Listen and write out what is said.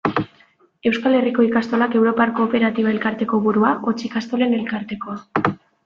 Euskal Herriko Ikastolak europar kooperatiba-elkarteko burua, hots, Ikastolen Elkartekoa.